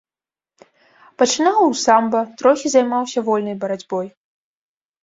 Пачынаў у самба, трохі займаўся вольнай барацьбой.